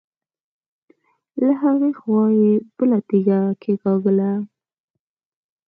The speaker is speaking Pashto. له هغې خوا يې بله تيږه کېکاږله.